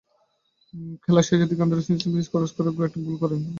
খেলার শেষ দিকে আন্দ্রেস ইনিয়েস্তার ক্রস থেকে হেড করে গোল করেন নেইমার।